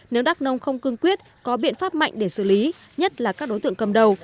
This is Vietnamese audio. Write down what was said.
nếu đắk nông không cương quyết có biện pháp mạnh để xử lý nhất là các đối tượng cầm đầu